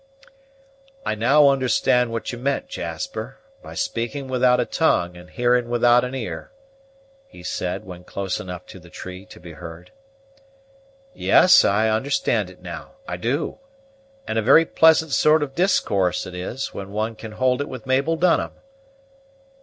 "I now understand what you meant, Jasper, by speaking without a tongue and hearing without an ear," he said when close enough to the tree to be heard. "Yes, I understand it now, I do; and a very pleasant sort of discourse it is, when one can hold it with Mabel Dunham.